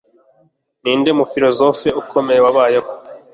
Ninde mufilozofe ukomeye wabayeho